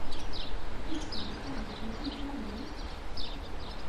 一起來辦國際交流？